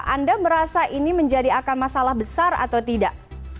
anda merasa ini akan menjadi masalah besar atau tidak